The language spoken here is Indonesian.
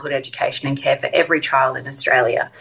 untuk setiap anak di australia